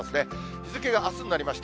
日付があすになりました。